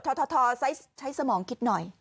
ททใช้สมองคิดหน่อย